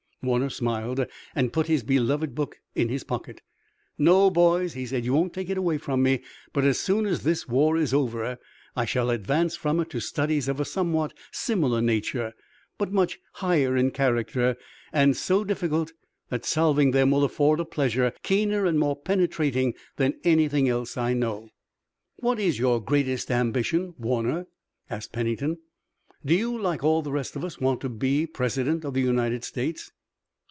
Warner smiled and put his beloved book in his pocket. "No, boys," he said, "you won't take it away from me, but as soon as this war is over I shall advance from it to studies of a somewhat similar nature, but much higher in character, and so difficult that solving them will afford a pleasure keener and more penetrating than anything else I know." "What is your greatest ambition, Warner?" asked Pennington. "Do you, like all the rest of us, want to be President of the United States?"